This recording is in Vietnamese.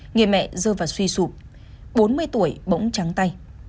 nghề mẹ dơ và suy sụp bốn mươi tuổi bỗng trắng tay